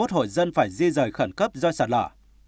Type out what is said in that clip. hai mươi một hội dân phải di rời khẩn cấp do sạt lở